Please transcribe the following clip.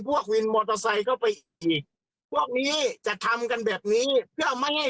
วินมอเตอร์ไซค์เข้าไปอีกพวกนี้จะทำกันแบบนี้เพื่อไม่ให้